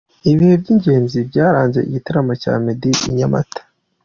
Ibihe by’ingenzi byaranze igitaramo cya Meddy i Nyamata.